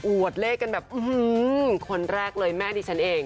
วดเลขกันแบบคนแรกเลยแม่ดิฉันเอง